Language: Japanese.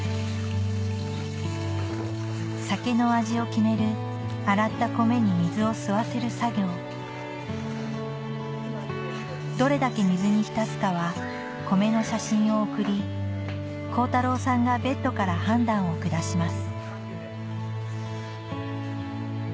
酒の味を決める洗った米に水を吸わせる作業どれだけ水に浸すかは米の写真を送り恒太朗さんがベッドから判断を下します